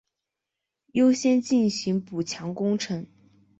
优先进行补强工程